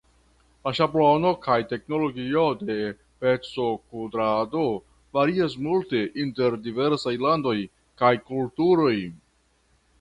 La ŝablono kaj teknologio de pecokudrado varias multe inter diversaj landoj kaj kulturoj.